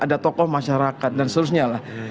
ada tokoh masyarakat dan seterusnya lah